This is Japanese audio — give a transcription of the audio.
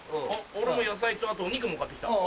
俺も野菜とあとお肉も買ってきた。